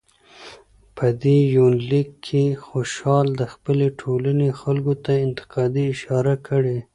په دې يونليک کې خوشحال د خپلې ټولنې خلکو ته انتقادي اشاره کړى